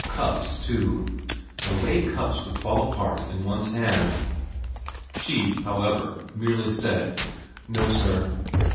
Cups, too. The way cups would fall apart in one's hand She, however, merely said, ' No sir.'